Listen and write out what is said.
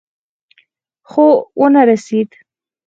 خو ونه رسېد.